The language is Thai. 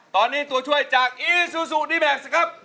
ตอนนี้ตัวช่วยจากอีซูซูดีแม็กซ์ครับ